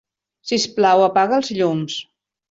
Sisplau, apaga els llums.